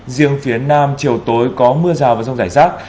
riêng phía nam chiều tối có mưa rào và rông rải rác